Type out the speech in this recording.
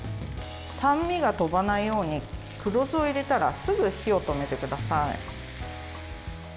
酸味がとばないように黒酢を入れたらすぐ火を止めてください。